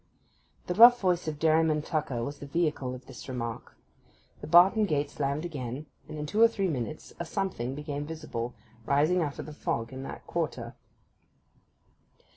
The rough voice of Dairyman Tucker was the vehicle of this remark. The barton gate slammed again, and in two or three minutes a something became visible, rising out of the fog in that quarter.